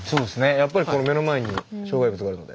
やっぱり目の前に障害物があるので。